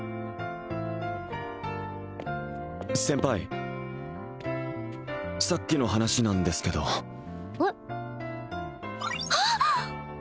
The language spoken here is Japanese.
先輩さっきの話なんですけどえっあっ！